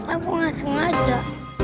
aku gak sengaja